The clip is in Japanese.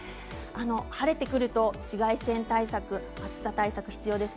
晴れてくると紫外線対策暑さ対策が必要です。